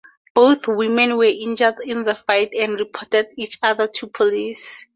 Both women were injured in the fight and reported each other to police.